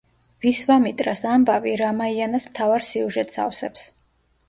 ვისვამიტრას ამბავი რამაიანას მთავარ სიუჟეტს ავსებს.